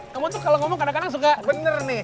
kamu itu kalau ngomong ke anak anak suka bener nih